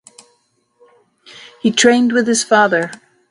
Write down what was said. He trained with his father.